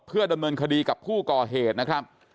เพื่อดำเนินคดีกับผู้ก่อเหตุนะครับ